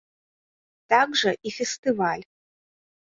Так жа і фестываль.